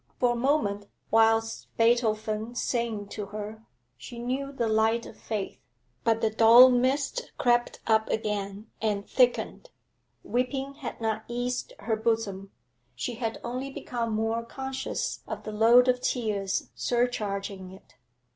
For a moment, whilst Beethoven sang to her, she knew the light of faith; but the dull mist crept up again and thickened. Weeping had not eased her bosom; she had only become more conscious of the load of tears surcharging it.